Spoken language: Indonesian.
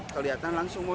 kelihatan langsung wujud